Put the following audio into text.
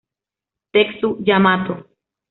Tetsu Yamato